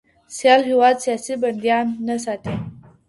سیال هیواد سیاسي بندیان نه ساتي.